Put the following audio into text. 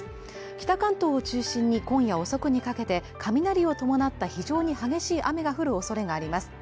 北関東を中心に今夜遅くにかけて雷を伴った非常に激しい雨が降るおそれがあります。